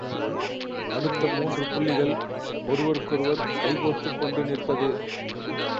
அடுத்த மூன்று புள்ளிகள் ஒருவருக்கொருவர் கைகோர்த்துக் கொண்டு நிற்பது.